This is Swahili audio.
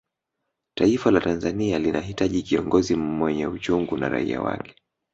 taifa la tanzania linahitaji kiongozi mwenye uchungu na raia wake